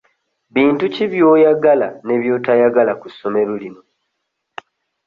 Bintu ki by'oyagala ne by'otayagala ku ssomero lino?